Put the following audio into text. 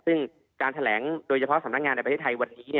ซึ่งการแถลงโดยเฉพาะสำนักงานในประเทศไทยวันนี้